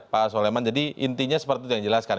pak soleman jadi intinya seperti itu yang dijelaskan